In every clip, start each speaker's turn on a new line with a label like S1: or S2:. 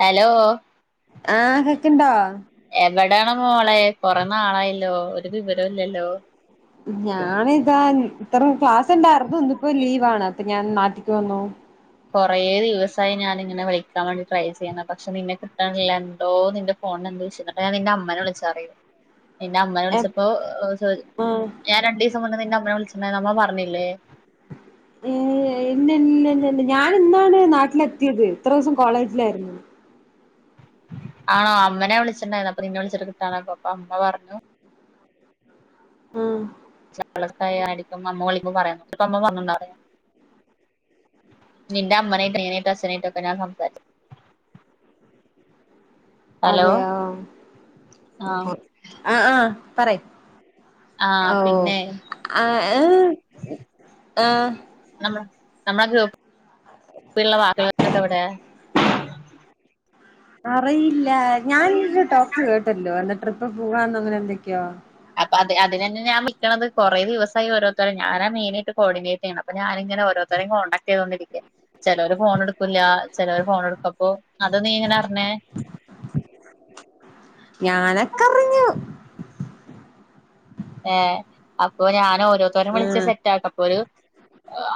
S1: Hello
S2: ആഹ് കേക്ക്ണ്ടോ
S1: എവടാണ് മോളെ കൊറേനാളായല്ലോ ഒരു വിവരോംല്ലല്ലോ
S2: ഞാനിതാ ഇത്ര ക്ലാസ് ണ്ടാരുന്നു ഇന്നിപ്പോ ലീവാണ് അപ്പ ഞാൻ നാട്ടിക്ക് വന്നു
S1: കുറേ ദിവസായി ഞാനിങ്ങനെ വിളിക്കാൻ വേണ്ടി ട്രൈ ചെയ്യുന്നു പക്ഷെ നിന്നെ കിട്ടാനില്ല എന്തോ നിന്റെ ഫോണിനെന്തോ വിഷയം എന്നിട്ടഞാൻ നിന്റെ അമ്മേനെ വിളിച്ചറിയത് നിന്റെ അമ്മേന
S2: എപ്പാ
S1: വിളിച്ചപ്പോ ചോയിച്ചു ഞാൻ രണ്ടിസം മുമ്പ് നിന്റെ അമ്മനെ വിളിച്ചിട്ടുണ്ടായിരുന്ന് അമ്മ പറഞ്ഞില്ലേ
S2: ഏഹ് ഇല്ലല്ലല്ല് ഞാൻ ഇന്നാണ് നാട്ടിലെത്തിയത് ഇത്ര ദിവസം കോളേജിലായിരുന്നു
S1: ആണോ അമ്മേനെ വിളിച്ചിട്ടണ്ടായിരുന്നു അപ്പൊ നിന്ന വിളിച്ചിട്ട് കിട്ടതായപ്പൊ അമ്മ പറഞ്ഞു
S2: ഉം
S1: ചാലറ്റായ അടുക്കുമ്പോ അമ്മ വിളിക്കുമ്പോ പറയാ എന്നിട്ടും അമ്മ പറഞിണ്ടായിരുന്ന നിന്റെ അമ്മേനെയും അനിയനായിട്ടും അച്ഛനായിട്ടൊക്കെ ഞാൻ സംസാരിച്ചു [unintelligible]
S2: അതെയോ
S1: ആഹ്
S2: ആഹ് ആഹ് പറയ്
S1: ആഹ്
S2: ഓഹ്
S1: പിന്നെ
S2: ആഹ് ഏഹ് ആഹ്
S1: നമ്മ നമമ്മളെ ഗ്രൂപ്പി ഗ്രൂപ്പിലുള്ള ബാക്കിയുള്ളവരൊക്കെ എവിടെ
S2: അറിയില്ല ഞാനിരു ടോക്ക് കേട്ടല്ലോ എന്ന് ട്രിപ്പ് പോവാന്ന് അങ്ങനെ എന്തൊക്കെയോ
S1: അപ്പൊ അത് അതിനെന്നെ ഞാൻ വിളിക്കണത് കുറ ദിവസായി ഓരോരുത്തരെ ഞാനാ മെയിനായിട്ട് കോഡിനേറ്റ് ചെയ്യണത് അപ്പൊ ഞാനിങ്ങനെ കോണ്ടാക്ട് ചെയ്‌തോണ്ടിരിക്ക ചിലോര് ഫോൺ എടുക്കൂല്ല ചിലോവർ ഫോൺ എടുക്കപ്പോ അത് നീ ഇങ്ങനെ അറിഞ്ഞേ
S2: ഞാനൊക്കെറിഞ്ഞു
S1: ഏഹ് അപ്പൊ ഞാനെ ഓരോരുത്തരെയും വിളിച്
S2: ആഹ്
S1: സെറ്റ് ആക്ക അപ്പോ ഒരു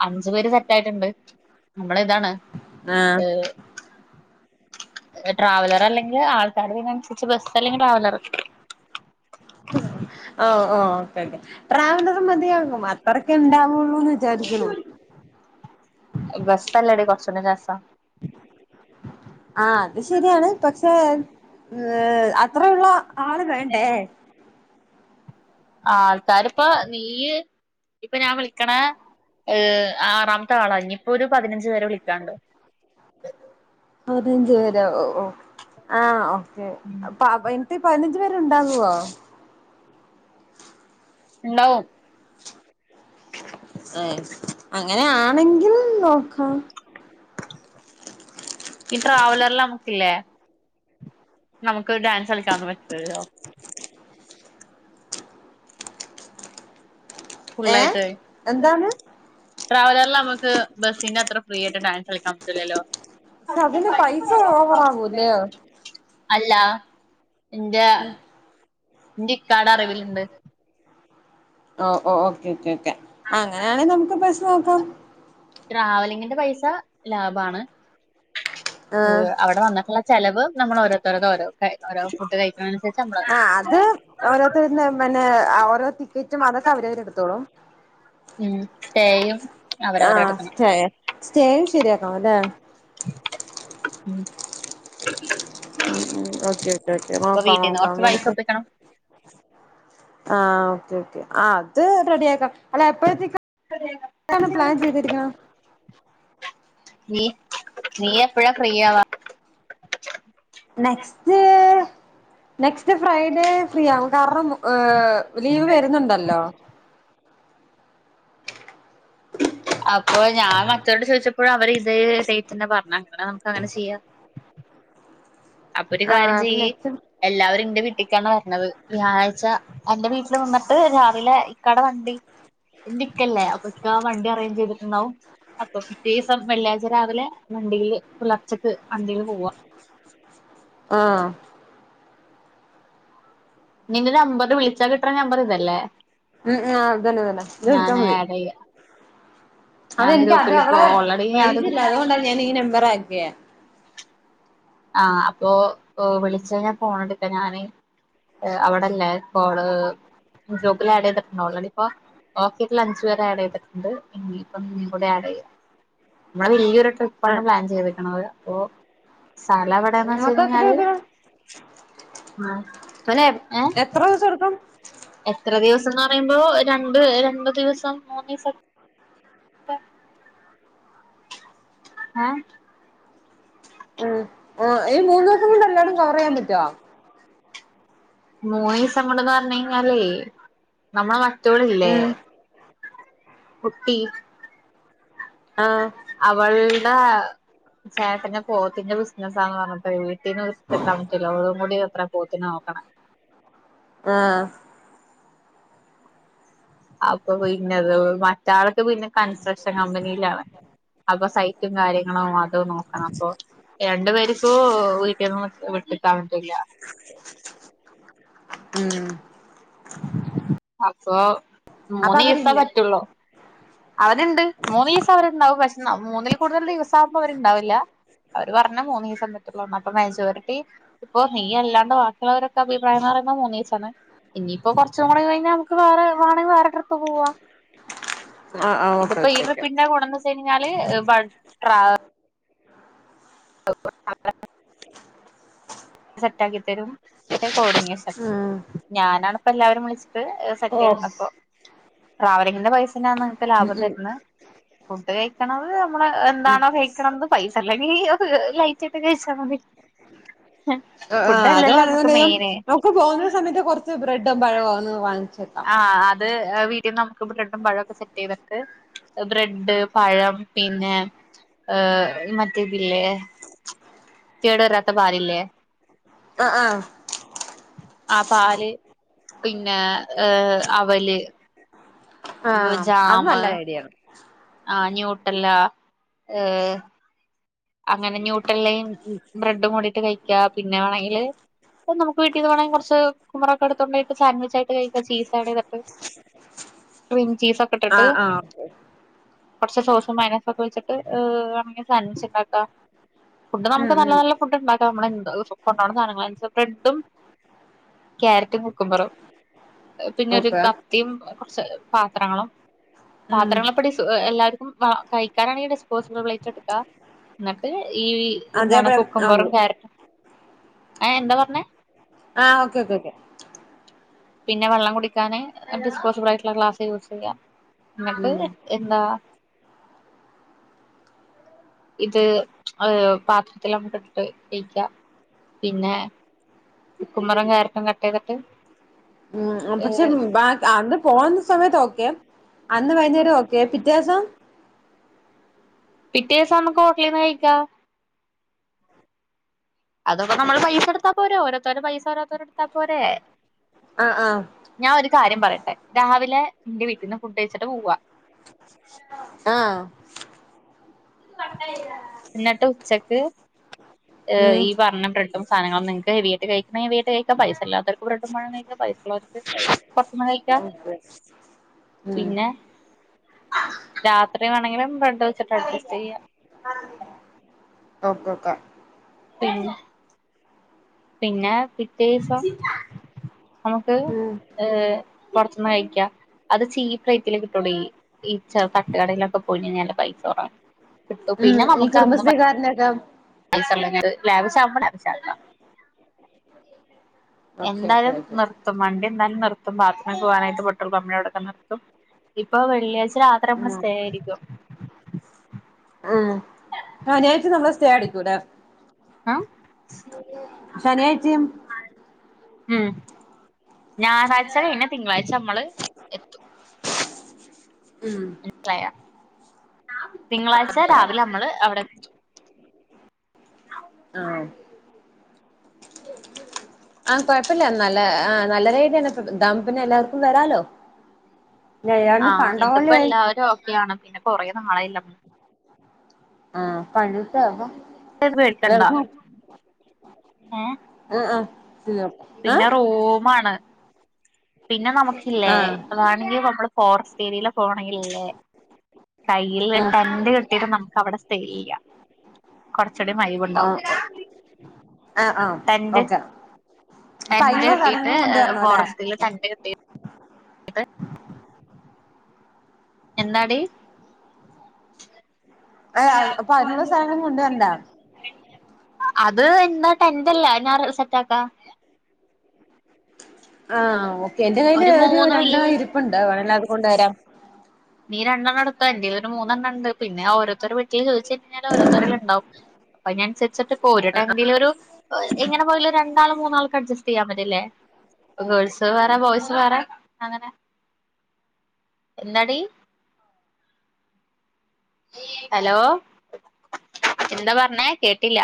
S1: അഞ്ചു പേര് സെറ്റ് ആയിട്ടുണ്ട് നമ്മള ഇതാണ്
S2: ആഹ്
S1: ട്രാവലർ അല്ലെങ്കിൽ ആൾക്കാർ ഉള്ള തിനനുസരിച്ച് ബസ് അല്ലെങ്കിൽ ട്രാവലർ
S2: ഓഹ് ഓഹ് ഓക്കേ ഓക്കേ ട്രാവലർ മതിയാകും അത്രൊക്കെ ഉണ്ടാവുള്ളൂന്ന് വിചാരിക്കണു
S1: ബസ് അല്ലെ ടി കൊറച്ചും കൂടെ രസം
S2: ആഹ് അത് ശരിയാണ് പക്ഷെ ഏഹ് അത്രയുള്ള ആള് വേണ്ടേ
S1: ആൾക്കാരിപ്പ നീയ് ! ! ! ! ! ! ! ! ! !
S2: പതിനഞ്ച് പേര ഓഹ് ഓഹ് ആഹ് ഓ ക്കെ അപ്പൊ അതിന്നത് പതിനഞ്ച് പേരുണ്ടാകുവോ
S1: ഇണ്ടാകും
S2: ഏഹ് അങ്ങനാണെങ്കിൽ നോക്കാം
S1: ഈ ട്രാവലറിൽ നമുക്കില്ലേ നമുക്ക് ഡാൻസ് കളിക്കാനൊന്നും പറ്റൂലല്ലോ
S2: ഏ
S1: ഫുള്ളായിട്ട്
S2: എന്താണ്
S1: ട്രാവലറല് നമക്ക് ബസ്സിന്റെ അത്ര ഫ്രീ ആയിട്ട് ഡാൻസ് കളിക്കാൻ പറ്റുല്ലല്ലോ
S2: പക്ഷെ അതിന്
S1: പൈപ്പ്
S2: പൈസ
S1: വള്ളം ഓഫാക്കിയില്ല
S2: ഓവറാവൂല്ലേ
S1: അല്ല എന്റെ
S2: ഇല്ല
S1: എന്റെ ഇക്കാടെ അറിവിലുണ്ട്
S2: ഓഹ് ഓഹ് ഓക്കെ ഓക്കെ ഓക്കെ അങ്ങനെയാണങ്കിൽ നമുക്ക് ബസ്സ് നോക്കാം
S1: ട്രാവലിങ്ങിന്റെ പൈസ ലാഭാണ്
S2: ആ
S1: ഏഹ് അവിടെ വന്നിട്ടുള്ള ചെലവ് നമ്മൾ ഓരോത്തോരത് ഓരോ ഓരോ ഫുഡ് കഴിക്കണനുസരിച്ച് നമ്മള
S2: ആഹ് അത് ഓരോരുത്തരുന്ന പിന്നെ ആഹ് ഓരോ ടിക്കറ്റും അതൊക്കെ അവരവര് എടുത്തോളും
S1: ഉം സ്റ്റേയും അവരവര് എടുക്കണം
S2: സ്റ്റെ ആഹ് സ്റ്റേയും ശരിയാക്കണം അല്ലെ
S1: [unintelligible]
S2: ഉം ഉം ഓക്കേ ഓക്കേ ഓക്കെ
S1: അപ്പൊ
S2: നോക്കാം
S1: വീട്ടീന്ന്
S2: നോക്കാം
S1: കൊറച്ച് പൈസ
S2: നമുക്ക്
S1: ഒപ്പിക്കണം
S2: ആഹ് ഓക്കേ ഓക്കേ ആഹ് അത് റെഡിയാക്കാം അല്ല എപ്പോഴത്തേക്ക എപ്പാണ് പ്ലാൻ ചെയ്തിരിക്കണേ
S1: നീ നീ എപ്പഴാ ഫ്രീയാവാ
S2: നെക്സ്റ്റ് നെക്സ്റ്റ് ഫ്രൈഡേ ഫ്രീ ആകും കാരണം ഏഹ് ലീവ് വരുന്നുണ്ടല്ലോ
S1: അപ്പൊ ഞാൻ മറ്റവരോട് ചോദിച്ചപ്പോഴും അവർ ഇതെ ഡേറ്റ് തന്നെ പറഞ്ഞെ നമുക്ക് അങ്ങനെ ചെയ്യാം അപ്പ ഒരു കാര്യം
S2: ആഹ് അപ്പൊ
S1: ചെയ്യ്.
S2: നെക്സ്റ്റ്
S1: എല്ലാവരും എന്റെ വീട്ടിക്കാണ് വരണത്. വ്യാഴാഴ്ച. എന്റെ വീട്ടില് നിന്നിട്ട് രാവിലെ ഇക്കാടെ വണ്ടി ണ്ടിക്കല്ലേ. അപ്പൊ ഇക്കാ വണ്ടി അറേഞ്ച് ചെയ്തിട്ടൊണ്ടാവും. അപ്പൊ പിറ്റേ ദിവസം വെള്ളിയാഴ്ച രാവിലെ വണ്ടിയില് പുലർച്ചെക്ക് അന്തേൽ പോവ.
S2: ആഹ്
S1: നിന്റെ നമ്പെറിന് വിളിച്ചാ കിട്ടണ നമ്പെറ് ഇതല്ലേ?
S2: ഉം ആഹ അതന്നെ ഇതന്നെ ഇത് വിളിച്ചാ
S1: ഞാൻ
S2: മതി.
S1: ആഡ് ചെയ്യാ ഞാൻ
S2: അതെനിക്ക് അത്
S1: ഗ്രൂപ്പിൽ ഇപ്പോ
S2: അവെടെ
S1: ഓൾറെഡി ഞാനൊരു
S2: റേഞ്ചില്ല. അതുകൊണ്ടാ ഞാനീ നെമ്പറാക്കിയേ.
S1: ആഹ് അപ്പോ വിളിച്ച് കഴിഞ്ഞാ ഫോൺ എടുക്കാ നാനേ. ഓ അവെടെല്ലേ. ഇപ്പോള് ഗ്രൂപ്പിൽ ആഡ് ചെയ്തിട്ടുണ്ടോ ഓളടിപ്പോ? ഓഫീസിൽ അഞ്ച് പേരെ ആഡ് ചെയ്തിട്ടുണ്ട്. ഇനിപ്പ നീ കൂടെ ആഡ് ചെയ്യാം. ഞാൻ വെല്യാരു ട്രിപ്പാണ്
S2: ആഹ്
S1: പ്ലാൻ ചെയ്തേക്കണത്. ഓ സ്ഥലയെവിടെന്ന് വെച്ച്
S2: മൊത്തം എത്ര
S1: കഴിഞ്ഞാല്.
S2: ദിവസം
S1: ഓ
S2: അനെ
S1: ഏഹ്?
S2: എത്ര ദിവസം എടുക്കും
S1: എത്ര ദിവസെന്ന് പറയുമ്പോ, രണ്ട് രണ്ട് ദിവെസം മൂന്ന് ദിസക്കെ. പ്പ ആഹ്
S2: ഉം ഓ ഈ മൂന്ന് ദിവസം കൊണ്ട് എല്ലാടവും കവെറ് ചെയ്യാൻ പറ്റുവോ?
S1: മൂന്നു ദിവസംകൊണ്ട് എന്ന് പറഞ്ഞഞ് കഴിഞ്ഞാലേ നമ്മള മറ്റൊൾ ഇല്ലെ
S2: ഉം
S1: കുട്ടി
S2: ആഹ്
S1: അവൾടെ ചേട്ടെന് പോത്തിന്റെ ബിസ്നെസ്സാന്ന് പറഞ്ഞിട്ടേ. വീട്ടീന് വിട്ട് നിക്കാ പറ്റില്ല. ഓളും കൂടിയത്ര പോത്തിനെ നോക്കെണെ.
S2: ആഹ്
S1: അപ്പ പിന്നെത് മറ്റാളെക്കെ പിന്നെ കൺസ്ട്രക്ഷൻ കമ്പനിയിലാണ്. അപ്പം സൈറ്റും കാര്യങ്ങെളും. അത് നോക്കണം അപ്പൊ. രണ്ട്‌ പേരിപ്പോ വീട്ടിന്ന് വിട്ട്കാൻ പ്പറ്റില്ലാ
S2: ഉം
S1: അപ്പോ
S2: അപ്പൊ
S1: മൂന്ന് ഈസം
S2: അവരില്ല
S1: പറ്റുള്ളൂ. അവര്ണ്ട് മൂന്ന് ഈസം അവര്ണ്ടവും പക്ഷേ മൂന്നില് കൂടുതൽ ദിവസാമ്പോ അവര്ണ്ടാവില്ല. അവര് പറഞ്ഞേ മൂന്ന് ദിസം പറ്റുള്ളോ. അപ്പ മെജോറിറ്റി. ഇപ്പ നീ അല്ലാണ്ട് ബാക്കിയൊള്ളവരൊക്കെ അഭിപ്രായംന്ന് പറയുമ്പോ മൂന്നിവസാണ്. ഇനിയിപ്പോ കൊറച്ചും കൂടി കഴി. നമ്മക്ക് വേറെ വേണെങ്കി വേറെ ട്രിപ്പ് പോവാ.
S2: ആഹ് ആഹ് ഓക്കെ
S1: ഇതിപ്പം ഈ
S2: ഓക്കെ ഓക്കെ
S1: ട്രിപ്പിന്റെകൂടെന്നെ ത് കഴിഞ്ഞാല് വൺ ട്രാ [unintelligible] സെറ്റാക്കിത്തെരും. പിന്നെ കോഡിനേഷൻ.
S2: ഉം
S1: ഞാനാണിപ്പ എല്ലാവരിം വിളിച്ച്ട്ട് പ്രത്യേഹം
S2: ഉം
S1: വന്നപ്പോ. ട്രാവലിങ്ങിന്റെ പൈസ ഞാൻ നിങ്ങെക്ക് ലാഭം
S2: ഉം
S1: തെര്ന്ന് ഫുഡ് കഴിക്കണത് നമ്മെള്
S2: ഉം
S1: എന്താണോ കഴിക്കണത്. പൈസില്ലെങ്കിൽ ലൈറ്റായിട്ട് കഴിച്ചാ മതി.
S2: ആഹ്
S1: ഫുഡ്
S2: ആഹ് അത്
S1: അല്ലല്ലോ നമ്മുക്ക്
S2: വേണോങ്കിന്ത് ചെയ്യും.
S1: മെയിന്
S2: നമ്മ്ക്ക് പോന്ന സമയത്ത് കൊറെച്ച് ബ്രെഡും പഴോന്ന് വാങ്ങിച്ച് വെ
S1: ആഹ് അത് വീട്ടീന്ന് നമ്മക്ക് ബ്രഡും പഴവൊക്കെ സെറ്റ് ചെയ്തിട്ട്. ബ്രെഡ്, പഴം, പിന്നെ ഏഹ്, മറ്റ് ഇതില്ലേ. കേട് വെരാത്ത പാലില്ലേ?
S2: ആഹ് ആഹ്
S1: ആ പാല്, പിന്നെ ഏഹ് അവെല്.
S2: ആഹ് അത് നല്ല ഐഡിയാണ്.
S1: ആഹ് ഞൂട്ടെല്ല. ഏഹ് അങ്ങനെ ന്യൂട്ടെല്ലെയും ബ്രെഡും കൂടിട്ട് കഴിക്കാ. പിന്നെ വേണങ്കില്, ഇപ്പ നമ്മുക്ക് കിട്ടിയത് വേണെങ്കി കൊറെച്ച് ഉമ്മറാക്കടത്ത് കൊണ്ടോയിട്ട്, സാൻവിച്ചായി കഴിക്കാ. ചീസായി കട്ട്
S2: [inaudible]
S1: റിം ചീസൺ ക്കെ ട്ടിട്ട്
S2: ആഹ് ആഹ് ഓക്കെ
S1: കൊറെച്ച് സോസും മൈനസെക്കെ വെച്ചിട്ട് ങ് സാൻവിച്ചൊണ്ടാ ഫുഡ്
S2: ഉം
S1: നമ്മെക്ക് നല്ല
S2: ഉം
S1: നല്ല ഫുഡ് ഉണ്ടാക്കാം. നമ്മള് എന്ത് കൊണ്ടാണ് സാധനങ്ങള നനുസരിച്ച്. ബ്രെഡും. ക്യാരറ്റും കുക്കുബറും പിന്നെ ഒരു
S2: ഓക്കെ
S1: കത്തിയും കുറച്ച് പാത്രങ്ങളും
S2: ഉം
S1: പാത്രങ്ങളെ പടി എല്ലാവർക്കും കഴിക്കാനാണെങ്കി ഡിസ്പോസബിൾ പ്ലേറ്റ് ഇട്ക്ക ന്നട്ട് ഈ എന്താണ്
S2: അതേപോലെ
S1: കുക്കുംമ്പറും
S2: ആഹ്
S1: ക്യാരറ്റും ഏ എന്താ പറ്ഞ്ഞ
S2: ആഹ് ഓക്കെ ഓക്കേ ഓക്കെ
S1: പിന്നെ വെള്ളം കുടിക്കാന് ഡിസ്പോസിബിൾ ആയിട്ടുള്ള ഗ്ലാസ്സ് യൂസ് ചെയ്യാ ന്നട്ട്
S2: ഉം
S1: എന്താ ഇത് ഏ പാത്രത്തില് നമക്ക് ഇട്ട് കഴിക്കാ പിന്നെ കുക്കുബറും ക്യാരറ്റും കട്ട് ചെയ്തിട്ട്
S2: പക്ഷെ അന്ന് പോകുന്ന സമയത്ത് ഓക്കെ അന്ന് വൈകുന്നേരം ഓക്കെ പിറ്റേദിവസം
S1: പിറ്റേ ദിവസം നമുക്ക് ഹോട്ടലിൽ നിന്ന് കഴിക്കാ അതൊക്കെ നമ്മള് പൈസ എടുത്താ പോര ഓരത്തരു പൈസ ഓരോത്തരടെടുത്തൽ പോരേ
S2: ആഹ് ആഹ്
S1: ഞാൻ ഒരു കാര്യം പറയട്ടെ രാവിലെ ഇന്റെ വീട്ടീന്ന് ഫുഡ് കഴച്ചിട്ട് പോവാ
S2: ആഹ്
S1: എന്നിട്ട് ഉച്ചക്ക്
S2: ഉം
S1: ഈപറഞ്ഞ ബ്രഡും സധനങ്ങളുംങ്ങക്ക് ഹെവി ആയി് കഴിക്കുന്നവർക്ക് കഴിക്ക പസല്ലാത്തർക്ക് ബ്രഡും പഴം കഴിക്കാം പൈ [unintelligible] പൊറുത്തിന്ന് കഴിക്കാം
S2: ഓക്കെ ഉം
S1: പിന്നെ രാത്രി വേണമെങ്കിലും ബ്രെഡ് വെച്ചിട്ട് അഡ്ജസ്റ്റ് ചെയ്യാം
S2: നോക്കിനോക്ക
S1: പിന്നെ പിന്നെ പിറ്റേ ദിവസം നമുക്ക്
S2: ഉം
S1: എ പുറത്തന്ന് കഴിക്കാം അത് ചീപ്പ് റേറ്റിൽ കിട്ടുടി ഈ ച്ച തട്ടുകടയിലൊക്കെ പോയി നല്ല പൈസ കുറവാ കിട്ടു
S2: ഉം
S1: പിന്നെ നമുക്ക് അന്നും പ
S2: [unintelligible]
S1: ലാവിഷവുമ്പോൾ ലാവിഷവണം
S2: ഓക്കെ ഓക്കെ
S1: എന്തായാലും
S2: ഓക്കെ
S1: നിർത്തും വണ്ടി എന്തായാലും നിർത്തും ബാത്രറൂമൊക്ക പോകാനായിട്ട് പെട്രോൾ പമ്പിൻ്റെ അവിടെ ഒക്കെ നിർത്തും ഇപ്പൊ വെള്ളിയാഴ്ച രാത്രി
S2: ഉം
S1: നമ്മള് സ്റ്റേ അടിക്കും
S2: ഉം ശനിയാഴ്ച നമ്മള് സ്റ്റേ അടിക്കൂലേ
S1: ഉം
S2: ശനിയാഴ്ചയും
S1: ഉം ഞായറാഴ്ച കഴിഞ്ഞ തിങ്കളാഴ്ച നമ്മള് എത്തും
S2: ഉം
S1: മനസിലായ തിങ്കളാഴ്ച രാവിലെ നമ്മള് അവിടെ എത്തും
S2: ആഹ് ആഹ കൊഴപ്പില്ല നല്ല ആ നല്ല രഡന്ന ദ പിന്നെ എല്ലാവർക്കും വരാലോ എല്ലാണ്ട്
S1: ആഹ് ഇതിപ്പോ
S2: പണ്ടപോലെ
S1: എല്ലാവരും ഓക്കെയാണ് പിന്നെ കൊറേ നാളയിലെ
S2: ആഹ [unintelligible]
S1: [unintelligible] ഏഹ്
S2: ആഹ് ആഹ്
S1: പിന്നെ റൂമാണ് പിന്നെ നമുക്കില്ലേ
S2: ആഹ്
S1: വേണെങ്കി നമ്മള് ഫോറസ്റ്റ് ഏരിയയില പോണെങ്കിൽല്ലേ കയ്യിൽ ടെന്റ് കെട്ടിട്ട് നമുക്ക് അവിടെ സ്റ്റേ ചെയ്യാം കൊറച്ചൂടി വൈബ്
S2: ആഹ്
S1: ണ്ടാവും
S2: ആഹ് ആഹ് ആഹ്
S1: ടെൻ്റ്
S2: ഓക്കെ അപ്പൊ
S1: ടെൻ്റ്
S2: അയിനുള്ള
S1: കേട്ടിട്ട്
S2: സാധനങ്ങൾ കൊണ്ടുവരണം അല്ലേ
S1: ഫോറസ്റ്റിൽ ടെൻ്റ് കെട്ടിട്ട് ഇത് എന്താടി
S2: ആഹ് അപ്പൊ അതിനുള്ള സ്ഥലങ്ങളൊന്നും കൊണ്ടുവരണ്ട
S1: അത് ഇന്ന ടെൻറ്ല്ല അഹ് ഞാൻ സെറ്റ് ആക്കാ
S2: ആഹ് ഓക്കെ എന്റെ കയ്യിൽ ഒരു
S1: മൂന്ന്
S2: രണ്ടെണ്ണം
S1: വല്യ
S2: ഇരിപ്പ്ണ്ട് വേണെല്ല അത് കൊണ്ട് വരാം
S1: നീ രണ്ടെണ്ണംടുത്ത എന്ൽ ഒരു മൂന്നെണ്ണം ഉണ്ട് പിന്നെ ഓരുത്തരു വട്ടി ചോദിച്ച കഴിഞ്ഞാ ഓരോത്തരുണ്ടാവും അപ്പൊ ഇതിന അനുസരിച്ചിട്ട് ഒരുടടെെങ്കിലും ഒരു എങ്ങനെ പോയ ഒരു രണ്ടാൾ മൂന്നാൾ അഡ്സ്റ്റ് ചെയ്യാൻ പറ്റില്ലേ ഗേൾസ് വേറെ ബോയ്സ് വേറെ അങ്ങനെ എന്താടി ഹലോ എന്താ പറഞ്ഞേ കേട്ടില്ല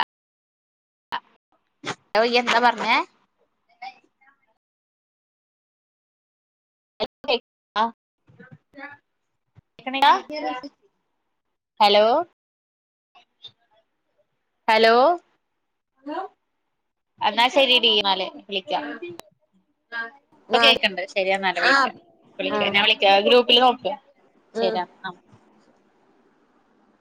S1: യ്യ് എന്താ പറഞ്ഞേ [unintelligible] [unintelligible] ഹലോ ഹലോ എന്നാ ശരിഡീ ന്നാ വിളിക്കാം പ്പ
S2: ആഹ്
S1: കേൾക്ണ്ട് ശരിയെന്നല്ല വിളിക്ക
S2: ആഹ്
S1: വിള
S2: ആഹ്
S1: ഞാൻ വിളിക്കാ ഗ്രൂപ്പില് നോക്
S2: ഉം
S1: ആഹ